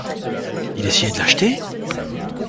Il essayait de l’acheter?